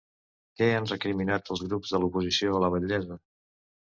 Què han recriminat els grups de l'oposició a la batllessa?